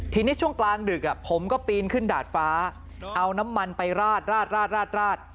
ทีนี้ช่วงกลางดึกผมก็ปีนขึ้นดาดฟ้าเอาน้ำมันไปราดราด